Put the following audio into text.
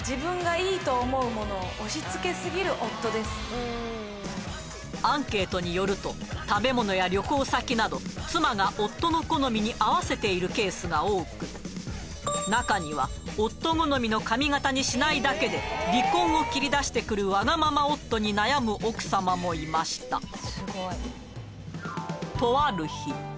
うんいやいやいやアンケートによると食べ物や旅行先など妻が夫の好みに合わせているケースが多く中には夫好みの髪形にしないだけで離婚を切り出してくるワガママ夫に悩む奥様もいました何？